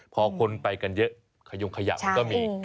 พอคนไปกันเยอะขยงขยะมันก็มี